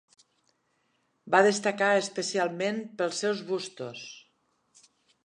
Va destacar especialment pels seus bustos.